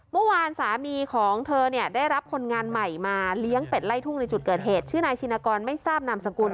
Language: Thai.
เมื่อวานนี้สามีของเธอเนี่ยได้รับคนงานใหม่มาเลี้ยงเป็ดไล่ทุ่งในจุดเกิดเหตุชื่อนายชินกรไม่ทราบนามสกุล